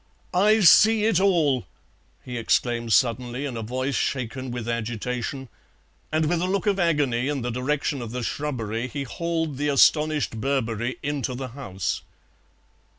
"I see it all!" he exclaimed suddenly in a voice shaken with agitation, and with a look of agony in the direction of the shrubbery he hauled the astonished Birberry into the house.